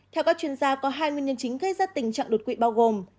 theo các chuyên gia có hai nguyên nhân chính gây ra tình trạng đột quỵ bao gồm